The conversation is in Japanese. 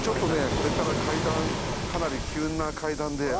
これから階段かなり急な階段で足元悪いんで。